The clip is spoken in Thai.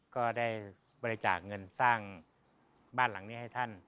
ก็ได้บริจาคเงินสร้างบ้านหลังนี้ให้ท่าน